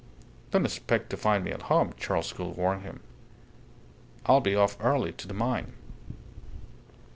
"Don't expect to find me at home," Charles Gould warned him. "I'll be off early to the mine."